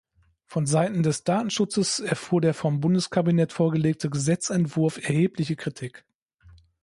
Von Seiten des Datenschutzes erfuhr der vom Bundeskabinett vorgelegte Gesetzentwurf erhebliche Kritik.